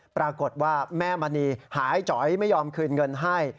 ปรากฏว่าแม่มณีหายจ๋อยไม่ยอมคืนเงินให้